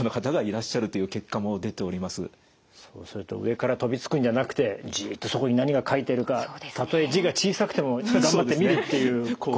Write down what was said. そうすると上から飛びつくんじゃなくてじっとそこに何が書いてるかたとえ字が小さくても頑張って見るっていうことですよね。